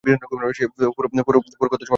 Four সবসময় প্রতারণা করে এসেছে।